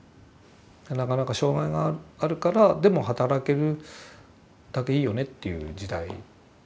なかなか障害があるからでも働けるだけいいよねという時代。